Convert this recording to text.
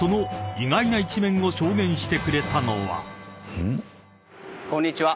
［その］こんにちは。